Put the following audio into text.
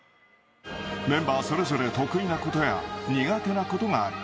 メンバーそれぞれ得意なことや苦手なことがある。